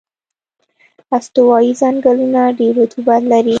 استوایي ځنګلونه ډېر رطوبت لري.